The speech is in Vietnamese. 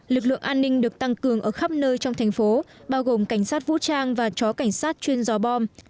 lực lượng an ninh được tăng cường ở khắp nơi trong thành phố bao gồm cảnh sát vũ trang và chó cảnh sát chuyên gió bom